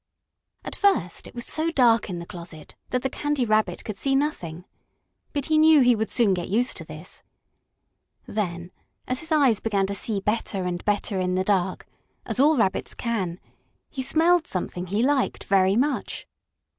At first it was so dark in the closet that the Candy Rabbit could see nothing. But he knew he would soon get used to this. Then, as his eyes began to see better and better in the dark, as all rabbits can, he smelled something he liked very much.